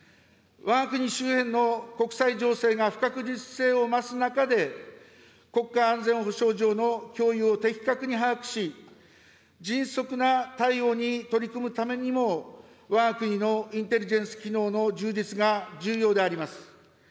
わが国周辺の国際情勢が不確実性を増す中で、国家安全保障上の脅威を的確に把握し、迅速な対応に取り組むためにも、わが国のインテリジェンス機能の充実が重要であります。